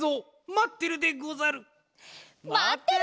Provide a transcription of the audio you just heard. まってるでござる！